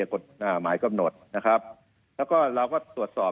กฎหมายกำหนดนะครับแล้วก็เราก็ตรวจสอบ